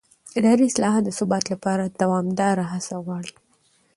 اداري اصلاحات د ثبات لپاره دوامداره هڅه غواړي